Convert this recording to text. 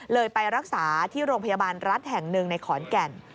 ไปรักษาที่โรงพยาบาลรัฐแห่งหนึ่งในขอนแก่น